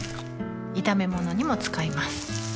炒め物にも使います